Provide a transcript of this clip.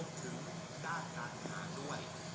ร่วมถึงด้านการหาด้วย